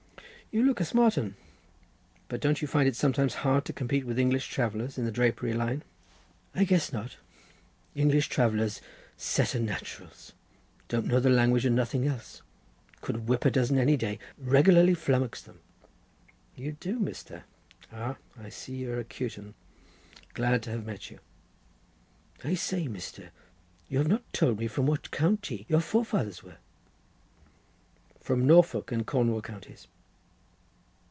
"You look a smart un. But don't you find it sometimes hard to compete with English travellers in the drapery line?" "I guess not. English travellers! set of nat'rals. Don't know the language and nothing else. Could whip a dozen any day. Regularly flummox them." "You do, Mr.? Ah, I see you're a cute un. Glad to have met you." "I say, Mr., you have not told me from what county your forefathers were." "From Norfolk and Cornwall counties."